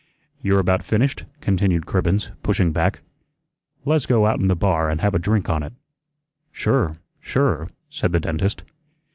"You're about finished?" continued Cribbens, pushing back. "Le's go out in the bar an' have a drink on it." "Sure, sure," said the dentist.